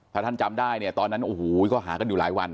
ถ้าท่านจำได้เนี่ยตอนนั้นโอ้โหก็หากันอยู่หลายวัน